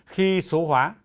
khi số hóa